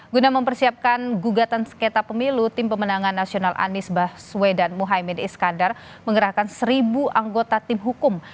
guna mempersiapkan gugatan sengketa pemilu tim pemenangan nasional anies baswedan muhaymin iskandar mengerahkan seribu anggota tim hukum